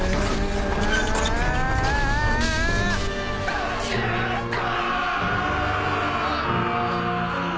立ち上がった！